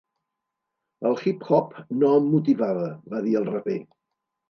"El hip hop no em motivava", va dir el raper.